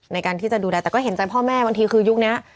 ในการที่จะดูแลแต่ก็เห็นใจพ่อแม่บางทีคือยุคนี้